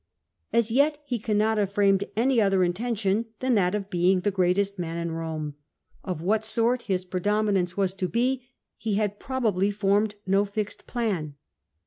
As yet he cannot have framed any other intention than that of being the greatest man in Eome. Of what sort his predominance was to be, he had probably formed no fixed plan.